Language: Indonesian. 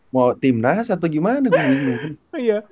mau timnas atau gimana